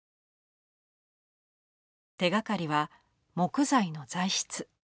手がかりは木材の材質。